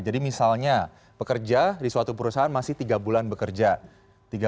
jadi misalnya pekerja di suatu perusahaan masih tiga bulan bekerja